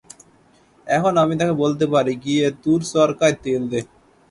এখন আমি তাকে বলতে পারি, গিয়ে তুর চরকায় তেল দে।